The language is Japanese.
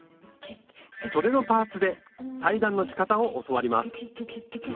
そでのパーツで裁断のしかたを教わります